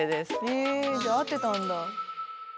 へえじゃあ合ってたんだ。